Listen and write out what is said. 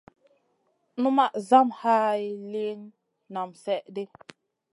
Numaʼ zam hay liyn naam slèh ɗi.